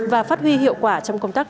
và phát huy hiệu quả trong công tác